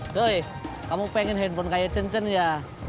cuy kamu pengen handphone kaya cincin ya